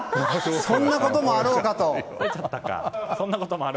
そんなこともあろうかと。